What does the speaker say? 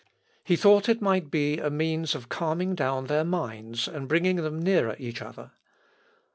He thought it might be a means of calming down their minds, and bringing them nearer each other.